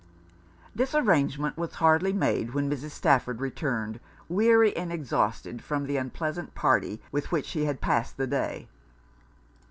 This arrangement was hardly made when Mrs. Stafford returned, weary and exhausted from the unpleasant party with which she had passed the day.